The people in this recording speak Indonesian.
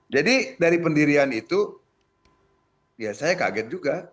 jadi dari pendirian itu saya kaget juga